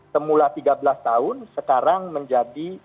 semula tiga belas tahun sekarang menjadi